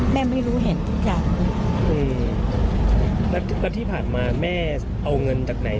ไม่รู้เห็นทุกอย่างอืมแล้วแล้วที่ผ่านมาแม่เอาเงินจากไหน